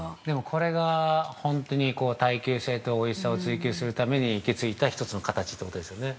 ◆これが、本当に耐久性とおいしさを追及するために行き着いた一つの形ということですね。